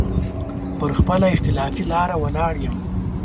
پر خپله اختلافي لاره ولاړ يم.